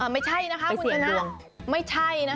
ไม่ใช่นะคะคุณชนะไม่ใช่นะคะ